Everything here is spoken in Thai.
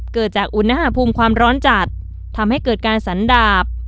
เกิดจากอุณหภูมิความร้อนจัดทำให้เกิดการสันดาบ